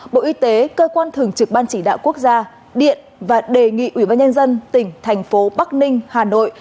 bộ y tế cơ quan thường trực ban chỉ đạo quốc gia điện và đề nghị ubnd tỉnh thành phố bắc ninh hà nội